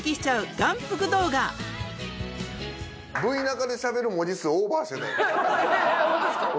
⁉ＶＴＲ中でしゃべる文字数オーバーしてたよ。